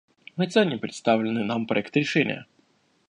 Мы ценим представленный нам проект решения.